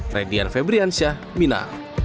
radian febriansyah mina